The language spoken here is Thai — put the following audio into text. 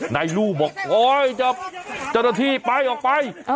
นายลูบอกอ้อยจะจะตอนที่ไปออกไปเออ